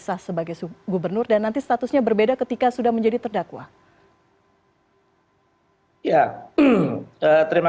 sah sebagai gubernur dan nanti statusnya berbeda ketika sudah menjadi terdakwa ya terima